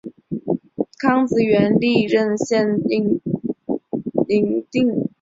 康子元历任献陵令。